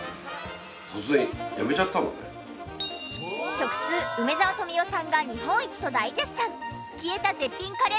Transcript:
食通梅沢富美男さんが日本一と大絶賛！